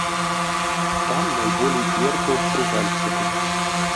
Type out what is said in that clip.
Там найболей клеркаў пры гальштуках.